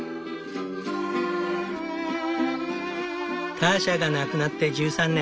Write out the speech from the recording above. ターシャが亡くなって１３年。